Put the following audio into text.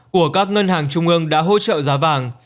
của các ngân hàng trung ương đã hỗ trợ giá vàng